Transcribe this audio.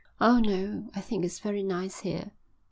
"Oh, no I think it's very nice here."